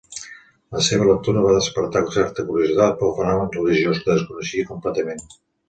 La seva lectura va despertar certa curiositat pel fenomen religiós, que desconeixia completament.